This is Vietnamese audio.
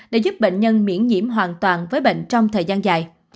đã giúp bệnh nhân miễn nhiễm hoàn toàn với bệnh trong thời gian dài